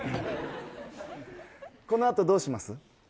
このあとどうします？